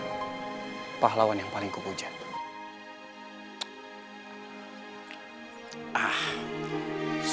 nah gitu dong